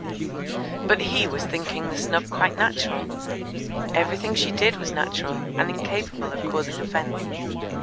But he was thinking the snub quite natural. Everything she did was natural, and incapable of causing offence.